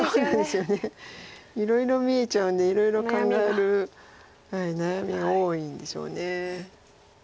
いろいろ見えちゃうんでいろいろ考える悩みが多いんでしょう。